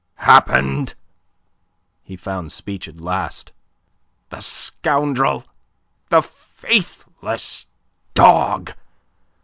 "Happened?" He found speech at last. "The scoundrel! The faithless dog!